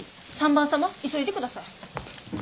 ３番様急いでください。